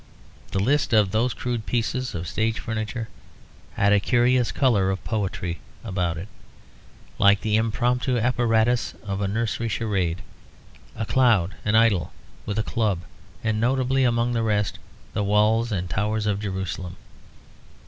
The list of those crude pieces of stage furniture had a curious colour of poetry about it, like the impromptu apparatus of a nursery charade; a cloud, an idol with a club, and notably among the rest, the walls and towers of Jerusalem.